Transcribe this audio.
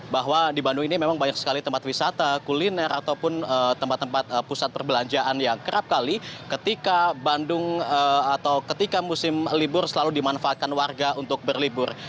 bahwa di bandung ini memang banyak sekali tempat wisata kuliner ataupun tempat tempat pusat perbelanjaan yang kerap kali ketika bandung atau ketika musim libur selalu dimanfaatkan warga untuk berlibur